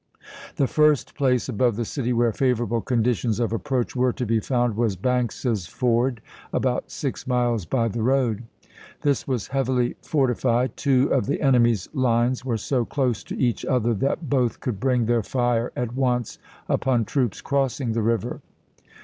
The first place above the city where favorable conditions of approach were to be found was Banks's Ford, about six miles by the road. This was heavily forti fied ; two of the enemy's lines were so close to each other that both could bring their fire at once upon troops crossing the river.